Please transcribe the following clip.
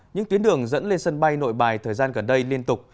những tuyến đường dẫn lên sân bay nội bài thời gian gần đây liên tục